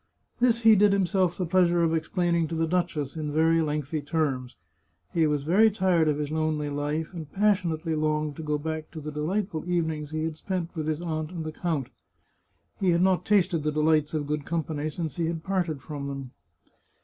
This he did himself the pleasure of explaining to the duchess, in very lengthy terms. He was very tired of his lonely life, and passionately longed to go back to the delightful evenings he had spent with his aunt and the count. He had not tasted the delights of good com pany since he had parted from them.